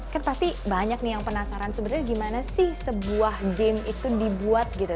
kan tapi banyak nih yang penasaran sebenarnya gimana sih sebuah game itu dibuat gitu